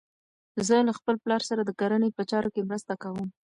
زه له خپل پلار سره د کرنې په چارو کې مرسته کوم.